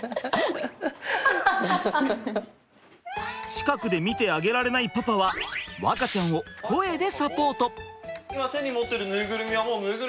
近くで見てあげられないパパは和花ちゃんを声でサポート！